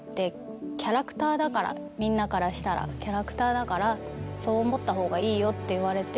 「みんなからしたらキャラクターだからそう思ったほうがいいよ」って言われて。